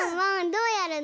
どうやるの？